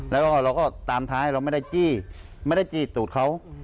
แล้วก็เราก็ตามท้ายเราไม่ได้จี้ไม่ได้จี้ตูดเขา